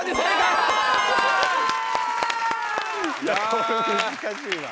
これ難しいわ。